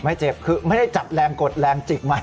ไม่เจ็บคือไม่ได้จับแรงกดแรงจิกมา